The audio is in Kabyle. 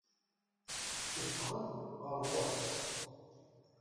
Teffeɣ-d ɣer ɣur-s.